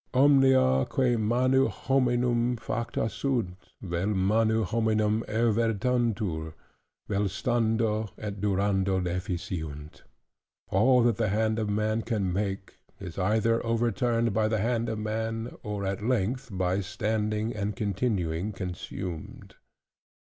"Omnia quae manu hominum facta sunt, vel manu hominum evertuntur, vel stando et durando deficiunt": "All that the hand of man can make, is either overturned by the hand of man, or at length by standing and continuing consumed."